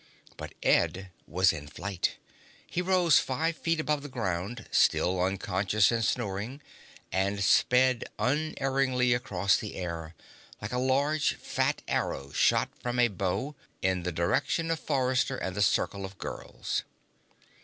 But Ed was in flight. He rose five feet above the ground, still unconscious and snoring, and sped unerringly across the air, like a large, fat arrow shot from a bow, in the direction of Forrester and the circle of girls.